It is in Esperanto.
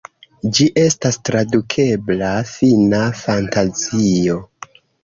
Ĝi estas tradukebla "Fina Fantazio".